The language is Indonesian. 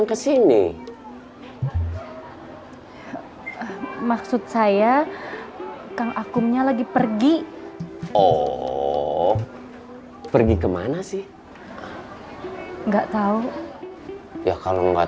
ke sini maksud saya kang akumnya lagi pergi oh pergi ke mana sih nggak tahu ya kalau nggak